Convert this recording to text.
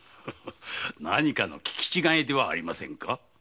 何かの聞き違いではありませんか？